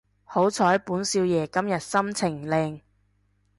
好彩本少爺今日心情靚